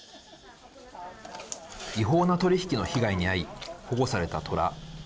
違法な取り引きの被害に遭い保護されたトラ。